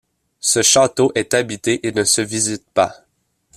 Ce château est habité et ne se visite pas.